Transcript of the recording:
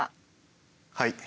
はい。